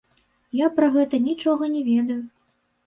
Я пра гэта нічога не ведаю.